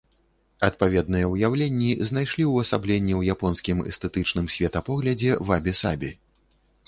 Адпаведныя ўяўленні знайшлі ўвасабленне ў японскім эстэтычным светапоглядзе вабі-сабі.